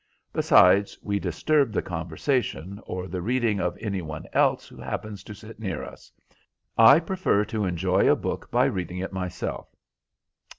Besides, we disturb the conversation or the reading of any one else who happens to sit near us. I prefer to enjoy a book by reading it myself."